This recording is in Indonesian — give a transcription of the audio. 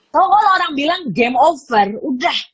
tau kalau orang bilang game over udah